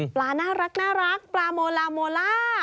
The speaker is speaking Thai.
ปลาน่ารักปลาโมลาโมล่า